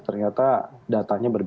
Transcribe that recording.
ternyata datanya berbeza